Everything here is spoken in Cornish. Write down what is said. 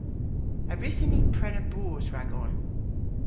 A wrussyn ni prena boos ragon?